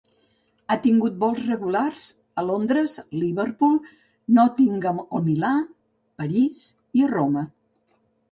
Ha tingut vols regulars a Londres, Liverpool, Nottingham o Milà, París i a Roma.